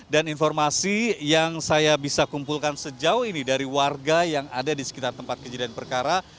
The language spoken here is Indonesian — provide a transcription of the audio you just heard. dan informasi yang saya bisa kumpulkan sejauh ini dari warga yang ada di sekitar tempat kejadian perkara